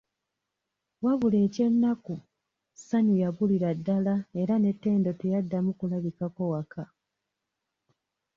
Wabula eky'ennaku, Ssanyu yabulira ddala era ne Ttendo teyaddamu kulabikako waka.